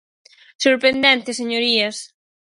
¡Sorprendente, señorías!